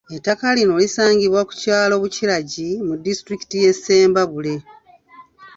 Ettaka lino lisangibwa ku kyalo Bukiragyi mu disitulikiti y'e Ssembabule.